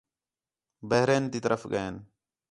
بحرین تی طرف ڳئین